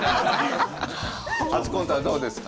初コントはどうですか？